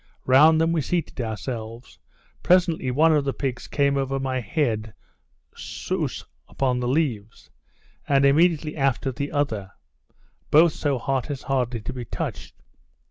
Round them we seated ourselves; presently one of the pigs came over my head souce upon the leaves, and immediately after the other; both so hot as hardly to be touched.